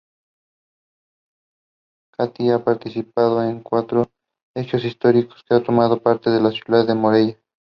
Catí ha participado en cuantos hechos históricos ha tomado parte la ciudad de Morella.